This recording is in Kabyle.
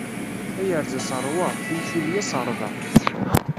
Tayerza s ṛṛwa, tissulya s ṛṛḍa.